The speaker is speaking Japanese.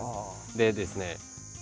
でですね。